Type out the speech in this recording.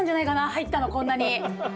入ったのこんなに！